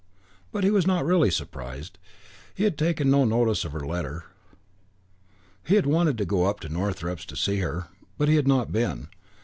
But he was not really surprised. He had taken no notice of her letter. He had wanted to go up to Northrepps to see her, but he had not been.